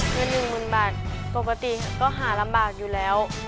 เงินหนึ่งหมื่นบาทปกติก็หารำบากอยู่แล้ว